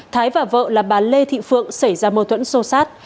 thái và vợ là bà lê thị phượng xảy ra mâu thuẫn sô sát